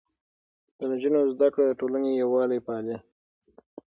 د نجونو زده کړه د ټولنې يووالی پالي.